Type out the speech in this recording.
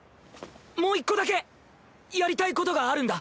もう一個だけやりたいことがあるんだ。